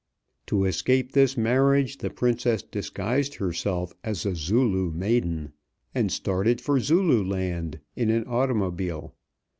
To escape this marriage, the Princess disguised herself as a Zulu maiden, and started for Zululand in an automobile.